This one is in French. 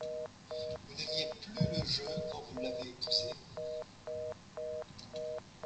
Vous n'aimiez plus le jeu quand vous l'avez épousé.